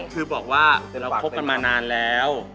คือบอกว่าเราคบกันมานานแล้ว